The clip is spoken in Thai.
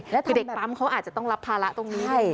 คือเด็กปั๊มเขาอาจจะต้องรับภาระตรงนี้